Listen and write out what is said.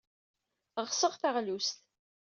Ɣseɣ taɣlust.